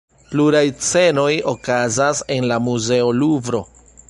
Pluraj scenoj okazas en la muzeo Luvro.